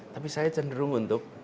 tapi saya cenderung untuk